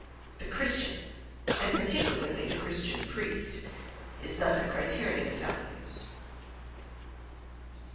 The Christian, and particularly the Christian priest, is thus a criterion of values.